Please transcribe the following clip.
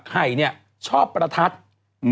ไข่นี่ชอบประทัศน์